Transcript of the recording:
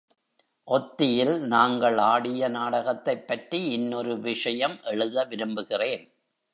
ஒத்தியில் நாங்கள் ஆடிய நாடகத்தைப்பற்றி இன்னொரு விஷயம் எழுத விரும்புகிறேன்.